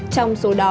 trong số đó